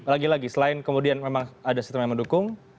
lagi lagi selain kemudian memang ada sistem yang mendukung